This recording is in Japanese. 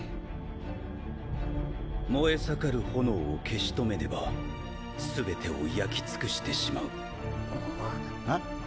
燃えさかる炎を消し止めねば全てを焼き尽くしてしまう。？は？